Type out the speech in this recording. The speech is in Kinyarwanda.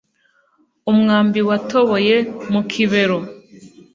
umwambi watoboye mu kibero.